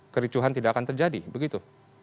kericuhan tidak akan terjadi begitu